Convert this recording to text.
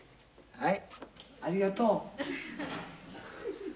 はい。